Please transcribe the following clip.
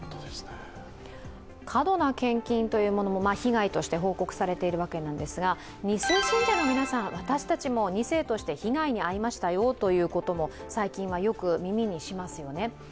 過度な献金も被害として報告されているわけですが、２世信者の方々も２世として被害に遭いましたということを最近はよく耳にしますよね。